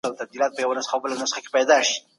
زه خپل استاد خوښوم.